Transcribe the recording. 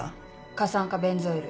過酸化ベンゾイル。